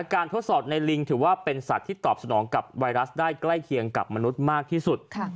ทดสอบในลิงถือว่าเป็นสัตว์ที่ตอบสนองกับไวรัสได้ใกล้เคียงกับมนุษย์มากที่สุด